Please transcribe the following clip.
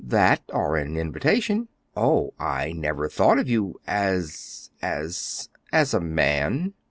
"That, or an invitation." "Oh, I never thought of you as as " "As a man?"